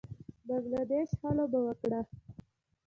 بنګله دېش ښه لوبه وکړه